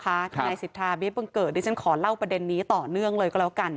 ทนายสิทธาเบี้บังเกิดดิฉันขอเล่าประเด็นนี้ต่อเนื่องเลยก็แล้วกัน